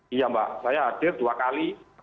iya mbak saya hadir dua kali